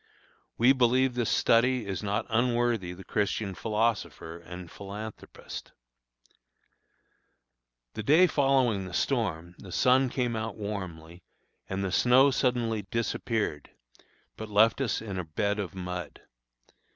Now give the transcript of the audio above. We believe this study is not unworthy the Christian philosopher and philanthropist. The day following the storm, the sun came out warmly, and the snow suddenly disappeared, but left us in a bed of mud.